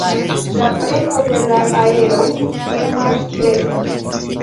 La premo de la aero emas kreski.